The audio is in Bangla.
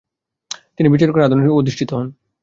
তিনি বিচারকের আসনে অধিষ্ঠিত হন।